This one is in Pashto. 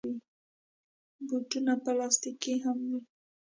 بوټونه پلاستيکي هم وي.